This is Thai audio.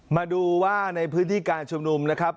มาดูว่าในพื้นที่การชุมนุมนะครับ